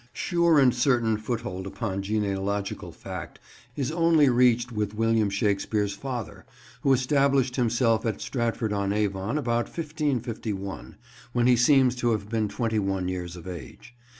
Sure and certain foothold upon genealogical fact is only reached with William Shakespeare's father, who established himself at Stratford on Avon about 1551, when he seems to have been twenty one years of age.